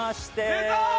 出た！